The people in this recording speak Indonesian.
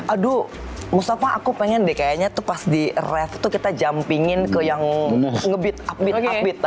aduh mustafa aku pengen deh kayaknya tuh pas di rath tuh kita jumpingin ke yang nge beat up beat up beat